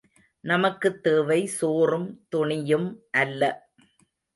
நமக்குத் தேவை சோறும் துணியும் அல்ல!